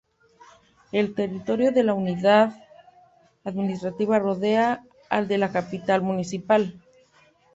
El territorio de la unidad administrativa rodea al de la capital municipal.